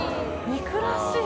「肉らしい」